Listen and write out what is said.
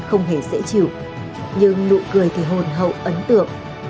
không hề dễ chịu nhưng nụ cười thì hồn hậu ấn tượng